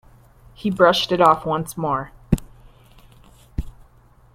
He brushed it off once more.